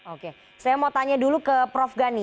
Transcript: oke saya mau tanya dulu ke prof gani